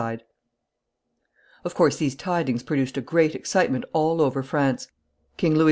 ] Of course, these tidings produced a great excitement all over France. King Louis XI.